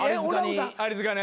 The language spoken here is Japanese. アリ塚に。